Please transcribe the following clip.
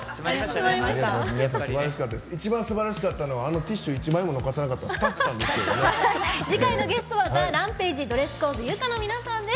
一番すばらしかったのはあのティッシュ１枚も残さなかったスタッフさんでしょうかね。